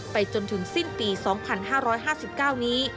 จนถึงสิ้นปี๒๕๕๙นี้